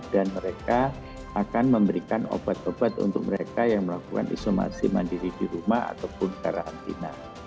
dan mereka akan memberikan obat obat untuk mereka yang melakukan isolasi mandiri di rumah ataupun karantina